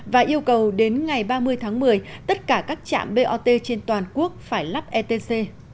và yêu cầu đến ngày ba mươi tháng một mươi tất cả các trạm bot trên toàn quốc phải lắp etc